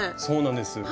そうなんです。